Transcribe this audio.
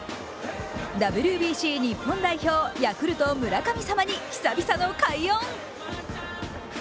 ＷＢＣ日本代表、ヤクルト・村神様に久々の快音。